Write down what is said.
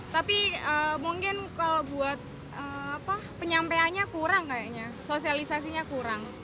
tapi mungkin kalau buat penyampaiannya kurang kayaknya sosialisasinya kurang